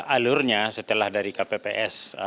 alurnya setelah dari kpps